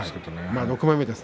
今、６枚目です。